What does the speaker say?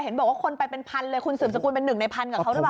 บอกว่าคนไปเป็นพันเลยคุณสืบสกุลเป็นหนึ่งในพันกับเขาหรือเปล่า